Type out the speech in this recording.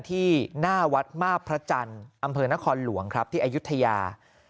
ที่หน้าวัดมาบพระจันทร์อำเภอนครหลวงครับที่อายุทยา